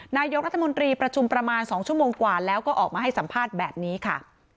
นายกรัฐมนตรีประชุมประมาณ๒ชั่วโมงกว่าแล้วก็ออกมาให้สัมภาษณ์แบบนี้ค่ะ